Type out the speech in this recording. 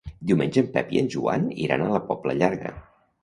Diumenge en Pep i en Joan iran a la Pobla Llarga.